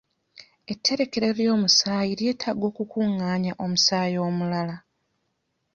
Etterekero ly'omusaayi lyetaaga okukungaanya omusaayi omulala.